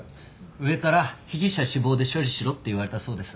上から被疑者死亡で処理しろって言われたそうです。